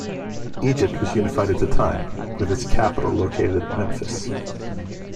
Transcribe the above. Egypt was unified at the time, with its capital located at Memphis.